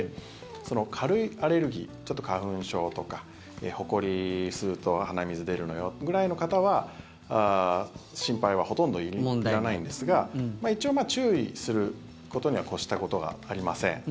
軽いアレルギー、花粉症とかほこり吸うと鼻水出るのよぐらいの方は心配はほとんどいらないんですが一応注意することに越したことはありません。